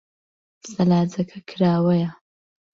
سەلاجەکە کراوەیە.